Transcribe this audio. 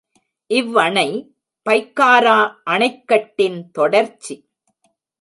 இவ்வணை பைக்காரா அணைக்கட்டின் தொடர்ச்சி.